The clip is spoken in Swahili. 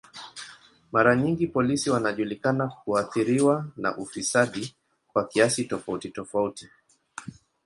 Mara nyingi polisi wanajulikana kuathiriwa na ufisadi kwa kiasi tofauti tofauti.